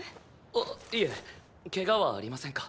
あいえケガはありませんか？